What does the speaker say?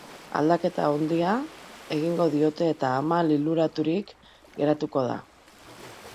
Aldaketa handia egingo diote, eta ama liluraturik geratuko da.